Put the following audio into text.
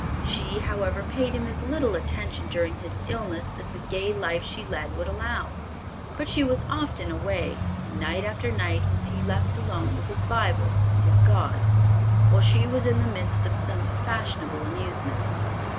She, however, paid him as much attention during his illness as the gay life she led would allow; but she was often away, and night after night was he left alone with his Bible and his God, while she was in the midst of some fashionable amusement.